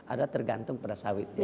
ada tergantung pada sawitnya